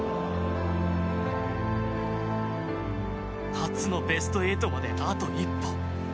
初のベスト８まであと一歩。